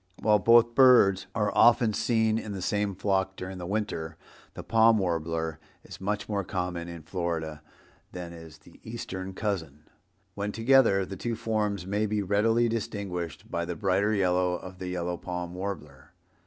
While both birds are often seen in the same flock during the winter, the Palm Warbler is much more common in Florida than is the eastern cousin. When together the two forms may be readily distinguished by the brighter yellow of the yellow palm warbler.